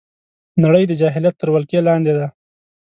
نړۍ د جاهلیت تر ولکې لاندې ده